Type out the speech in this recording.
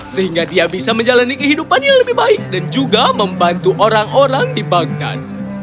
sehingga dia bisa menjalani kehidupan yang lebih baik dan juga membantu orang orang di banggan